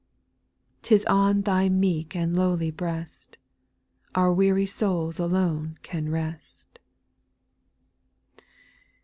'T is on thy meek and lowly breast. Our weary souls alone can rest 2.